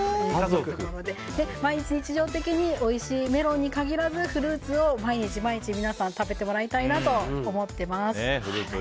毎日、日常的においしいメロンに限らずフルーツを毎日、毎日皆さんに食べてもらいたいなと思っています。